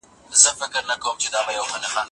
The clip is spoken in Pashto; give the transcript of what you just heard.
زېری مو راباندي ریشتیا سوي مي خوبونه دي